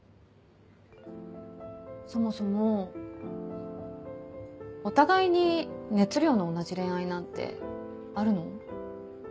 そもそもお互いに熱量の同じ恋愛なんてあるの？